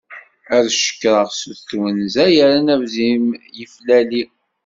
Ad cekreɣ sut twenza, yerran abzim yeflali.